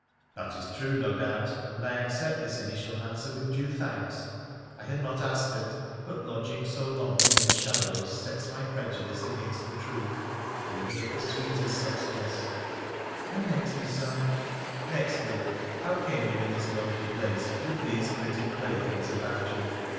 ' That is true, no doubt, and I accept this initial answer with due thanks. I had not asked it, but lodging so long amid PHRA THE PHCENICIAN 289 shadows sets my prejudice against the truth, even of the sweetest substance.' ' And nextly, Sir ?'' Nextly, how came you in this lonely place, with these pretty playthings about you